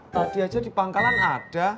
tadi aja di pangkalan ada